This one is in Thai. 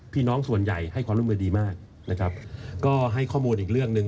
พี่น้องส่วนใหญ่ให้ความร่วมมือดีมากนะครับก็ให้ข้อมูลอีกเรื่องหนึ่ง